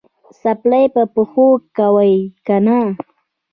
څپلۍ په پښو کوې که نه؟